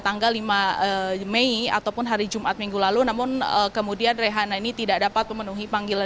tanggal lima mei ataupun hari jumat minggu lalu namun kemudian rehana ini tidak dapat memenuhi panggilan